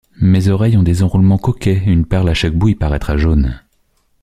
Mes oreilles ont des enroulements coquets, une perle à chaque bout y paraîtra jaune.